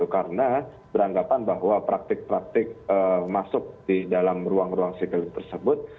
karena beranggapan bahwa praktik praktik masuk di dalam ruang ruang siklet tersebut